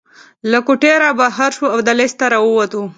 له کوټې رابهر شوو او دهلېز ته راووتو.